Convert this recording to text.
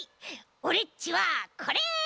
オレっちはこれ。